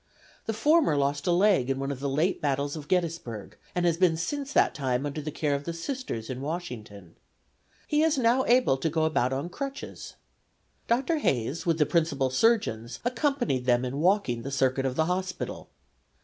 The former lost a leg in one of the late battles of Gettysburg and has been since that time under the care of the Sisters in Washington. He is now able to go about on crutches. Dr. Hayes, with the principal surgeons, accompanied them in walking the circuit of the hospital.